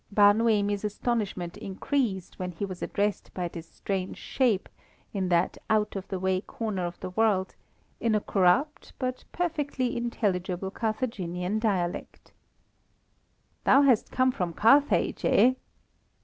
Bar Noemi's astonishment increased when he was addressed by this strange shape, in that out of the way corner of the world, in a corrupt but perfectly intelligible Carthaginian dialect. "Thou hast come from Carthage, eh?"